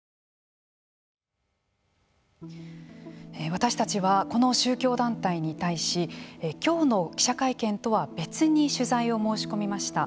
私たちはこの宗教団体に対しきょうの記者会見とは別に取材を申し込みました。